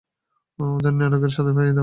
ওদের নরকের স্বাদ পাইয়ে দিও!